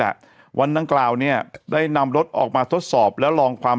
วันดังกล่าวเนี่ยได้นำรถออกมาทดสอบแล้วลองความ